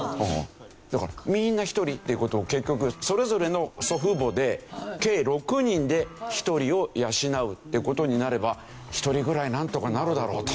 だからみんな１人っていう事は結局それぞれの祖父母で計６人で１人を養うっていう事になれば１人ぐらいなんとかなるだろうと。